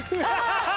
ハハハ！